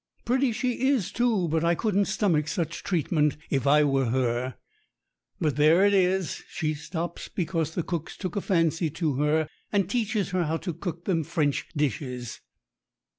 Pretty she is, too, but I couldn't stomach such treatment if I were her. But there it is she stops because the cook's took a fancy to her, and teaches her to cook them French dishes.